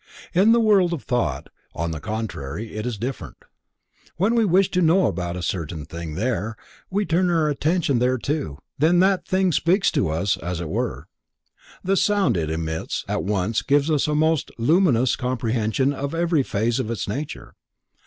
In the World of Thought, on the contrary, it is different. When we wish to know about any certain thing there, and we turn our attention thereto, then that thing speaks to us, as it were. The sound it emits at once gives us a most luminous comprehension of every phase of its nature.